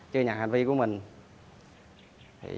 chưa nhận hành vi của mình